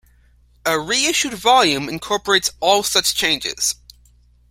A reissued volume incorporates all such changes.